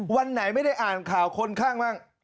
วันไหนไม่ได้อ่านข่าวคนข้างบ้าง